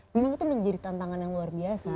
memang itu menjadi tantangan yang luar biasa